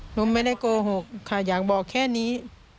หนูไม่ได้โกหกค่ะอยากบอกแค่นี้